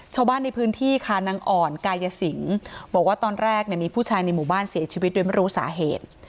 ชาวบ้านในพื้นที่ค่ะนางอ่อนกายสิงบอกว่าตอนแรกมีผู้ชายในหมู่บ้านเสียชีวิตโดยไม่รู้สาเหตุ